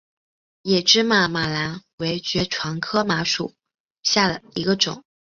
野芝麻马蓝为爵床科马蓝属下的一个种。